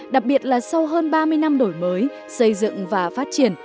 đặc biệt là sau hơn ba mươi năm đổi mới xây dựng và phát triển